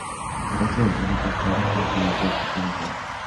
El resto del tráfico está restringido a tres tipos de usuario.